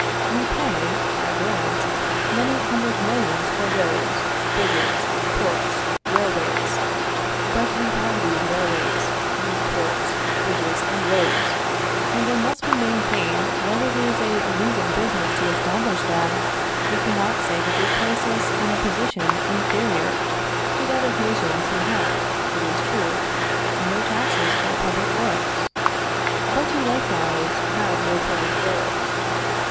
We pay, I grant, many hundred millions for roads, bridges, ports, railways; but we have these railways, these ports, bridges and roads, and unless we maintain that it is a losing business to establish them, we cannot say that they place us in a position inferior to that of nations who have, it is true, no taxes for public works, but who likewise have no public works.